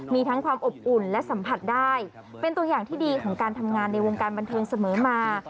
มีทั้งความอบอุ่นและสัมผัสได้เป็นตัวอย่างที่ดีของการทำงานในวงการบันเทิงเสมอมา